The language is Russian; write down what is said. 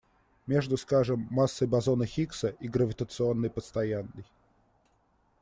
Между, скажем, массой бозона Хиггса и гравитационной постоянной.